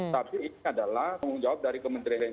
tapi ini adalah tanggung jawab dari kementerian